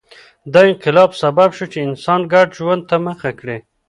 دا انقلاب سبب شو چې انسان ګډ ژوند ته مخه کړي